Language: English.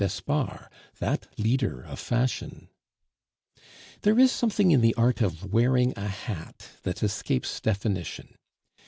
d'Espard, that leader of fashion. There is something in the art of wearing a hat that escapes definition.